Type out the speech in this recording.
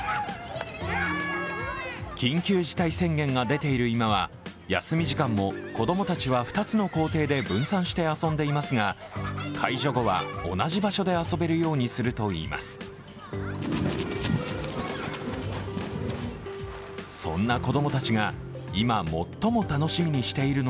緊急事態宣言が出ている今は休み時間も子供たちは２つの校庭で分散して遊んでいますが解除後は同じ場所で遊べるようにするといいます。